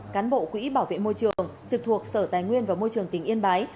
cán bộ quỹ bảo vệ môi trường trực thuộc sở tài nguyên và môi trường tỉnh yên bái